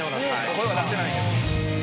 「声は出せないんです」